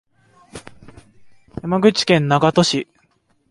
山口県長門市